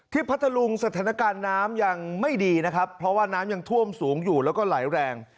พัทธลุงสถานการณ์น้ำยังไม่ดีนะครับเพราะว่าน้ำยังท่วมสูงอยู่แล้วก็ไหลแรง